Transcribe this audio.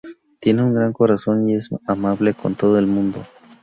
Tiene un gran corazón y es amable con todo el mundo.